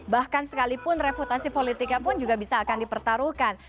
bahkan sekalipun reputasi politiknya pun juga bisa akan dipertaruhkan